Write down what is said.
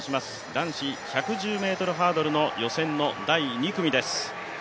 男子１１０ｍハードルの予選の第２組です。